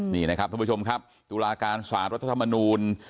นี่นะครับท่านผู้ชมครับตุลาการสารรัฐธรรมนูล